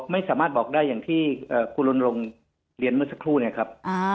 ไม่สามารถบอกได้อย่างที่คุณลนลงเรียนเมื่อสักครู่เนี่ยครับ